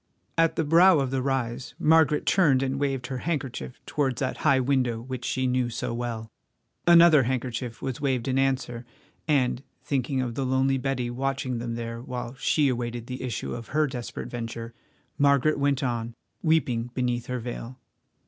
At the brow of the rise Margaret turned and waved her handkerchief towards that high window which she knew so well. Another handkerchief was waved in answer, and, thinking of the lonely Betty watching them there while she awaited the issue of her desperate venture, Margaret went on, weeping beneath her veil.